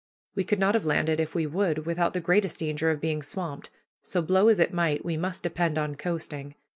We could not have landed if we would, without the greatest danger of being swamped; so blow as it might, we must depend on coasting.